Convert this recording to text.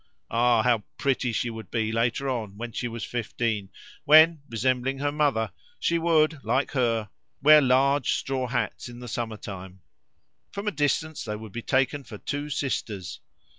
Ah! how pretty she would be later on when she was fifteen, when, resembling her mother, she would, like her, wear large straw hats in the summer time; from a distance they would be taken for two sisters.